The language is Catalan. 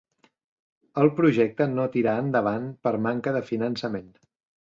El projecta no tirà endavant per manca de finançament.